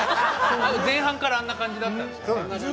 前半からあんな感じだったんですね。